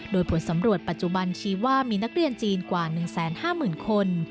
โดยผลสำรวจปัจจุบันชี้ว่ามีนักเรียนจีนกว่า๑๕๐๐๐คน